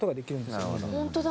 本当だ。